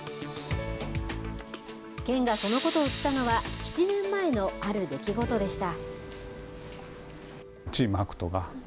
県がそのことを知ったのは７年前のある出来事でした。